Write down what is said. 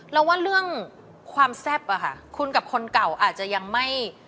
แล้วว่าเรื่องความแซ่บอะค่ะคุณกับคนเก่าอาจจะยังไม่